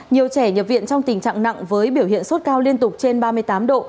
nhiều trẻ nhập viện trong tình trạng nặng với biểu hiện sốt cao liên tục trên ba mươi tám độ